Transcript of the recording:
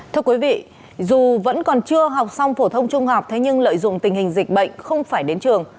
thưa quý vị dù vẫn còn chưa học xong phổ thông trung học thế nhưng lợi dụng tình hình dịch bệnh không phải đến trường